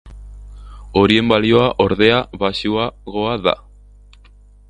Horien balioa, ordea, baxuagoa da.